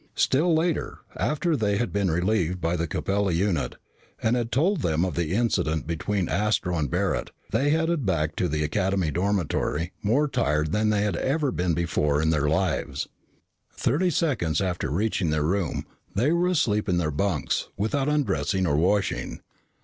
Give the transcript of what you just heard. Still later, after they had been relieved by the Capella unit and had told them of the incident between Astro and Barret, they headed back to the Academy dormitory more tired than they had ever been before in their lives. Thirty seconds after reaching their room, they were asleep in their bunks, without undressing or washing.